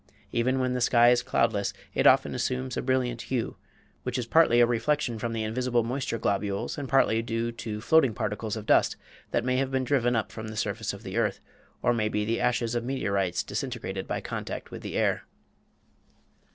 Even when the sky is cloudless it often assumes a brilliant hue, which is partly a reflection from invisible moisture globules and partly due to floating particles of dust that may have been driven up from the surface of the earth, or may be the ashes of meteorites disintegrated by contact with the air.